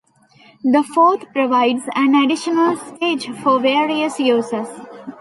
The fourth provides an additional stage for various uses.